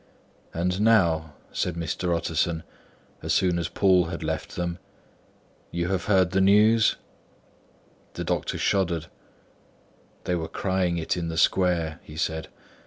"And now," said Mr. Utterson, as soon as Poole had left them, "you have heard the news?" The doctor shuddered. "They were crying it in the square," he said.